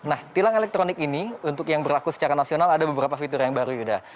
nah tilang elektronik ini untuk yang berlaku secara nasional ada beberapa fitur yang baru yuda